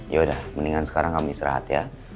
yaudah mendingan sekarang kamu istirahat ya